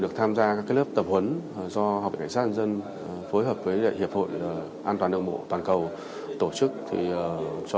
được tham gia các lớp tập huấn do học viện cảnh sát dân dân phối hợp với hiệp hội an toàn đường bộ toàn cầu tổ chức